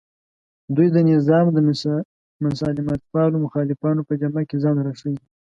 دوی د نظام د مسالمتپالو مخالفانو په جامه کې ځان راښیي